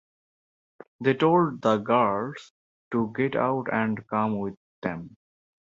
They told the girls to get out and come with them.